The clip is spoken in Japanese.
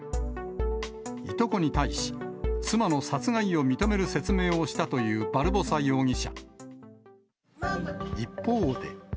いとこに対し、妻の殺害を認める説明をしたというバルボサ容疑者。